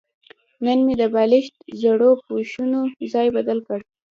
نن مې د بالښت زړو پوښونو ځای بدل کړ.